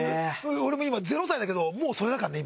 俺も今０歳だけどもうそれだからね今。